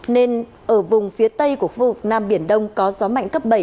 nên ở vùng phía tây của phục nam biển đông có gió mạnh cấp bảy